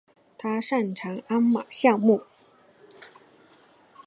他擅长鞍马项目。